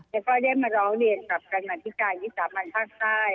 แล้วก็ได้มาร้องเรียนกับกรรมธิการวิสามันภาคใต้